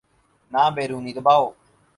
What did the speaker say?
نہ بیرونی دباؤ۔